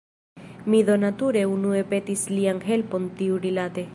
Mi do nature unue petis lian helpon tiurilate.